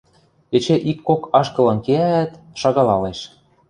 Эче ик-кок ашкылым кеӓӓт, шагалалеш.